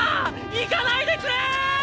行かないでくれ！